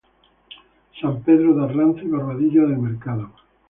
San Pedro de Arlanza y Barbadillo del Mercado.